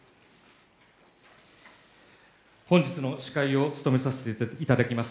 本日の司会を務めさせていただきます